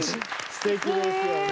すてきですよね。